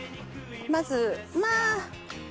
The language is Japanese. まずまあ！